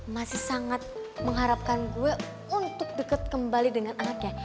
masih sangat mengharapkan gue untuk dekat kembali dengan anaknya